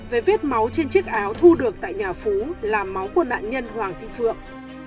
về vết máu trên chiếc áo thu được tại nhà phú là máu của nạn nhân hoàng thị phượng